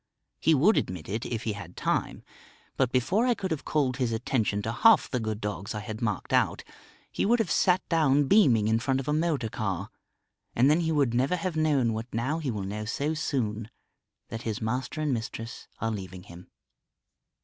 He would admit it, if he had time. But before I could have called his attention to half the good dogs I had marked out, he would have sat down beaming in front of a motor car ... and then he would never have known what now he will know so soon that his master and mistress are leaving him.